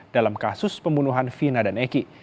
dalam kasus pembunuhan vina dan eki